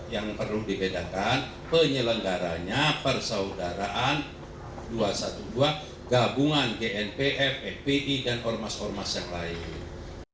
yang perlu dibedakan penyelenggaranya persaudaraan dua ratus dua belas gabungan gnpf fpi dan ormas ormas yang lain